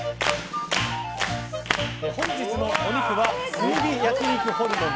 本日のお肉は炭火焼肉ホルモン